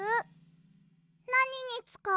なににつかうの？